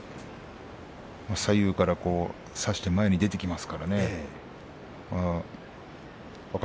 左右から差して前に出てきますからね琴ノ若。